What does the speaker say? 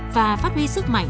và phát huy sức mạnh